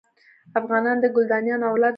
افغانان د کلدانیانو اولاد وبولي.